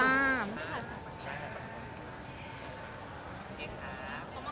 ขอมองกล้องลายเสือบขนาดนี้นะคะ